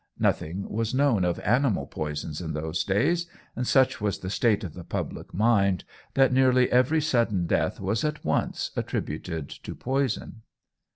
Nothing was known of animal poisons in those days, and such was the state of the public mind that nearly every sudden death was at once attributed to poison.